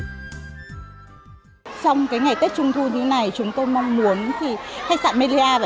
trong cái ngày tết trung thu như thế này chúng tôi mong mừng các em